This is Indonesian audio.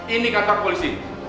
ini kata polisi